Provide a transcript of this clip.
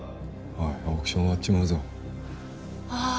おいオークション終わっちまうぞあー